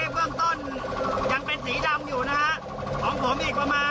เบื้องต้นยังเป็นสีดำอยู่นะฮะของผมอีกประมาณ